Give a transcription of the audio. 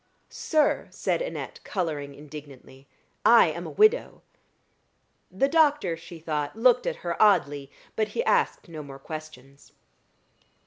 "Sir," said Annette, coloring indignantly, "I am a widow." The doctor, she thought, looked at her oddly, but he asked no more questions.